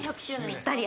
ぴったり。